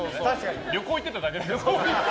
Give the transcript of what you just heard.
旅行、行ってただけだから。